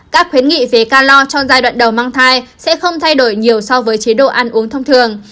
các khuyến nghị về calor trong giai đoạn đầu mang thai sẽ không thay đổi nhiều so với chế độ ăn uống thông thường